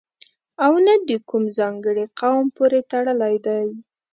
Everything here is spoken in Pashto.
او نه د کوم ځانګړي قوم پورې تړلی دی.